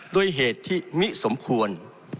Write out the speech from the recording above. ด้วยเหตุที่มิสมควร